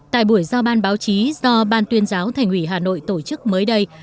tại buổi giao ban báo chí do ban tuyên giáo thành ủy hà nội tổ chức mới đây